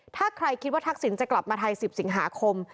ถ้าใครคิดว่าทักษิณจะกลับมาไทย๑๐สิงหาคม